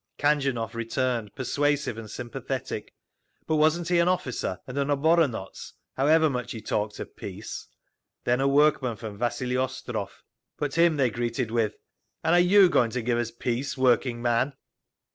Khanjunov returned, persuasive and sympathetic. But wasn't he an officer, and an oboronotz, however much he talked of peace? Then a workman from Vasili Ostrov, but him they greeted with, "And are you going to give us peace, working man?"